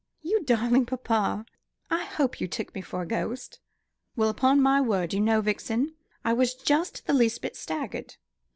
You darling papa! I hope you took me for a ghost!" "Well, upon my word, you know, Vixen, I was just the least bit staggered.